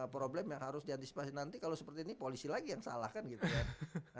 problem yang harus diantisipasi nanti kalau seperti ini polisi lagi yang salah kan gitu kan